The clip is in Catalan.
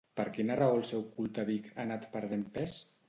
Per quina raó el seu culte a Vic ha anat perdent pes?